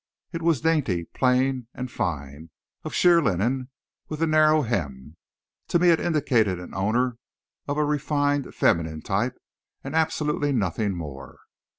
It was dainty, plain and fine, of sheer linen, with a narrow hem. To me it indicated an owner of a refined, feminine type, and absolutely nothing more.